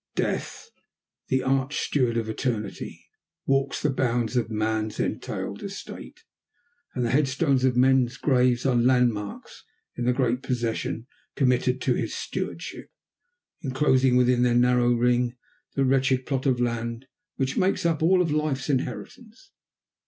Death, the arch steward of eternity, walks the bounds of man's entailed estate, and the headstones of men's graves are landmarks in the great possession committed to his stewardship, enclosing within their narrow ring the wretched plot of land which makes up all of life's inheritance.